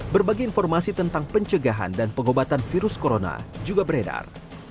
berbagai informasi tentang pencegahan dan pengobatan virus corona juga beredar